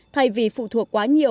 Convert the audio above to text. thay vì phụ thuộc quá nhiều